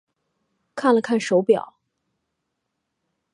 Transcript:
看了看手表